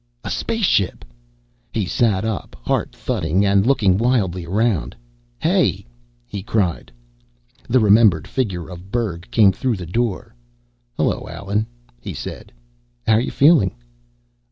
A spaceship! He sat up, heart thudding, and looked wildly around. "Hey!" he cried. The remembered figure of Berg came through the door. "Hullo, Allen," he said. "How're you feeling?"